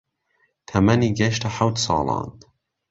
تەمەنی گەیشتە حەوت ساڵان